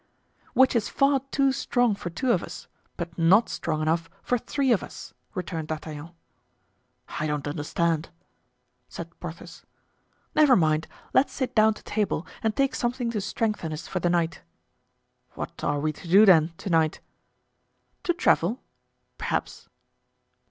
"Which is far too strong for two of us, but not strong enough for three of us," returned D'Artagnan. "I don't understand," said Porthos. "Never mind; let's sit down to table and take something to strengthen us for the night." "What are we to do, then, to night?" "To travel—perhaps."